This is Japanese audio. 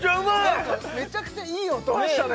何かめちゃくちゃいい音したね